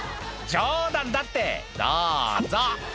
「冗談だってどうぞ」